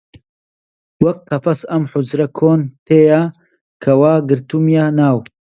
وەک قەفەس ئەم حوجرە کون تێیە کە وا گرتوومیە ناو